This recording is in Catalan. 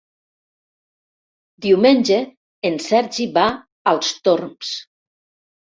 Diumenge en Sergi va als Torms.